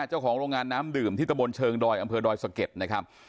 เจ้าของโรงงานน้ำดื่มที่ตะบนเชิงดอยอำเภอดอยสะเก็ดนะครับ